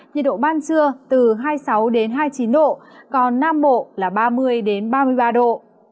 nhiệt độ ban trưa từ hai mươi sáu hai mươi chín độ còn nam bộ là ba mươi ba mươi ba độ